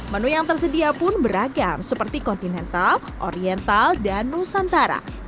menu yang tersedia pun beragam seperti kontinental oriental dan nusantara